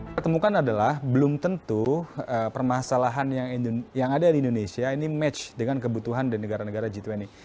pertemukan adalah belum tentu permasalahan yang ada di indonesia ini match dengan kebutuhan di negara negara g dua puluh